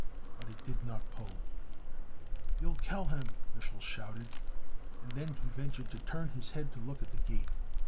But it did not pull. "You'll kill him!" Mich'l shouted. And then he ventured to turn his head to look at the Gate.